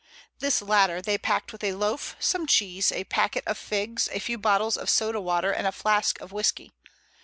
This latter they packed with a loaf, some cheese, a packet of figs, a few bottles of soda water and a flask of whisky.